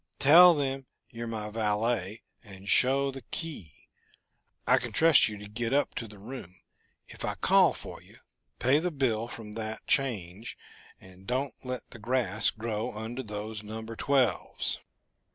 Tell them you're my valet, and show the key I can trust you to get up to the room. If I call for you, pay the bill from that change, and don't let the grass grow under those number twelves!"